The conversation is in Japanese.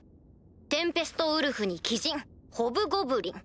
テンペストウルフに鬼人ホブゴブリン